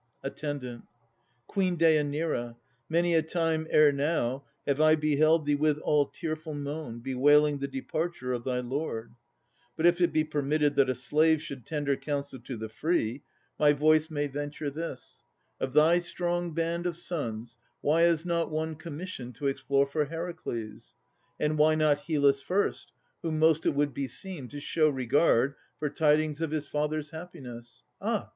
ATTENDANT. Queen Dêanira, many a time ere now Have I beheld thee with all tearful moan Bewailing the departure of thy lord. But, if it be permitted that a slave Should tender counsel to the free, my voice May venture this: Of thy strong band of sons Why is not one commissioned to explore For Heracles? and why not Hyllus first, Whom most it would beseem to show regard For tidings of his father's happiness? Ah!